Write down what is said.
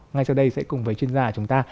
ngay sau đây sẽ cùng với chuyên gia chúng ta